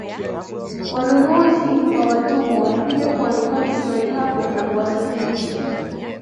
Wanunuzi wa watumwa walikuja kuwanunua kisiwani hapo na kuwasafirisha